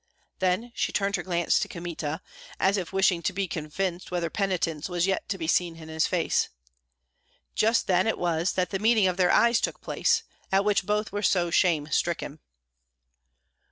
Then she turned her glance to Kmita, as if wishing to be convinced whether penitence was yet to be seen in his face. Just then it was that the meeting of their eyes took place, at which both were so shame stricken.